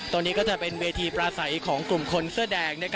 ตอนนี้ก็จะเป็นเวทีปลาใสของกลุ่มคนเสื้อแดง